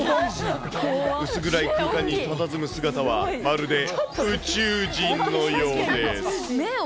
薄暗い空間にたたずむ姿は、まるで宇宙人のようです。